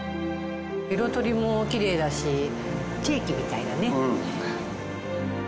彩りもきれいだしケーキみたいだね。